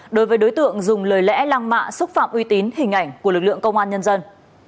đối với đối tượng dùng lời lẽ lăng mạ xúc phạm uy tín hình ảnh của lực lượng công an nhân dân